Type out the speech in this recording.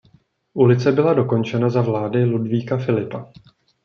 Ulice byla dokončena za vlády Ludvíka Filipa.